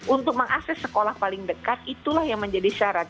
untuk mengakses sekolah paling dekat itulah yang menjadi syarat